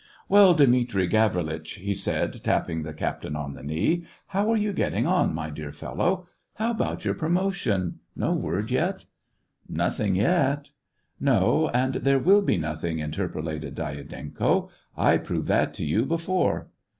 " Well, Dmitri Gavrilitch," he said, tapping the captain on the knee, " how are you getting on, my dear fellow.? How about your promotion.? — no word yet .?"" Nothing yet." " No, and there will be nothing," interpolated Dyadenko :" I proved that to you before."